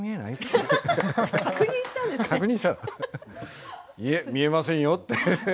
いえ、見えませんよと。